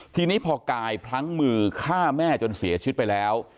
ทีนี้พอกายพลั้งมือฆ่าแม่จนเสียชีวิตไปแล้ว